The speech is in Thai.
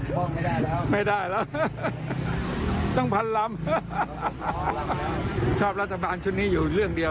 บอกไม่ได้แล้วไม่ได้แล้วตั้งพันลำชอบรัฐบาลชุดนี้อยู่เรื่องเดียว